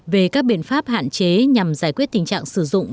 về các biện pháp hạn chế nhằm giải quyết tình trạng sử dụng